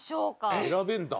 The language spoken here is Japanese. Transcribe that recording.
選べるんだ。